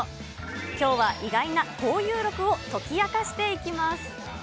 きょうは意外な交遊録を解き明かしていきます。